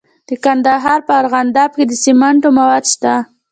د کندهار په ارغنداب کې د سمنټو مواد شته.